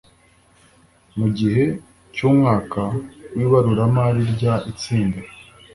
mu gihe cy umwaka w ibaruramari ry itsinda